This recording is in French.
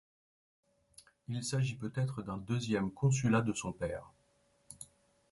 Il s'agit peut-être d'un deuxième consulat de son père.